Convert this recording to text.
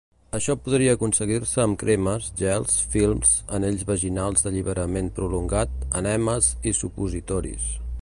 Això podria aconseguir-se amb cremes, gels, films, anells vaginals d'alliberament prolongat, ènemes i supositoris.